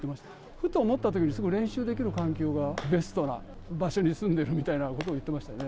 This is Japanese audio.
ふと思ったときに、すぐ練習できる環境が、ベストな場所に住んでるみたいなことを言ってましたね。